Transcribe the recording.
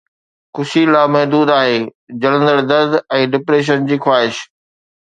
خوشي لامحدود آهي، جلندڙ درد ۽ ڊپريشن جي خواهش